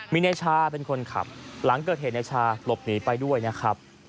มีนายชาเป็นคนขับหลังเกิดเหตุในชาหลบหนีไปด้วยนะครับ